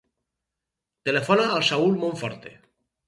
Telefona al Saül Monforte.